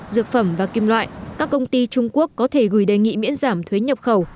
dược phẩm và kim loại các công ty trung quốc có thể gửi đề nghị miễn giảm thuế nhập khẩu